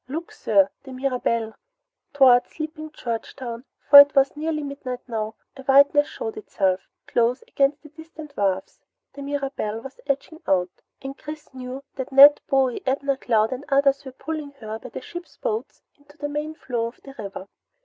"Look sir the Mirabelle!" Toward sleeping Georgetown, for it was nearly midnight now, a whiteness showed itself, close against the distant wharfs. The Mirabelle was edging out, and Chris knew that Ned, Bowie, Abner Cloud, and others were pulling her by the ship's boats into the main flow of the river.